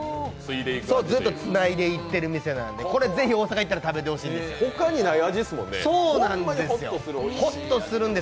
ずっとつないでいっているお店なので、ぜひ大阪行ったら食べていただきたいです。